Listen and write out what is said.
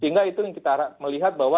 sehingga itu yang kita melihat bahwa